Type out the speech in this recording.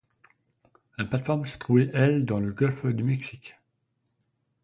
La plate-forme se trouvait, elle, dans le golfe du Mexique.